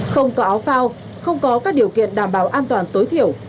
không có áo phao không có các điều kiện đảm bảo an toàn tối thiểu